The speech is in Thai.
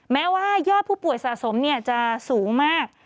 แม้ว่ายอดผู้ป่วยสะสมจะสูงมาก